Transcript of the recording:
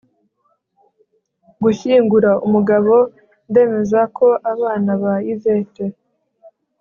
gushyingura. umugabo, ndemeza ko abana ba yvette